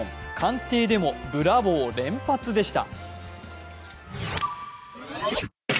官邸でもブラボー連発でした。